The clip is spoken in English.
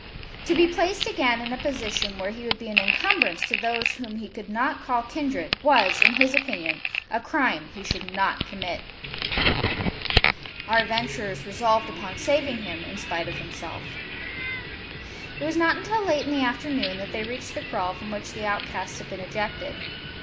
To be placed again in a position where he would be an incumbrance to those whom he could not call kindred was, in his opinion, a crime he should not commit! Our adventurers resolved upon saving him in spite of himself. It was not until late in the afternoon that they reached the kraal from which the outcasts had been ejected.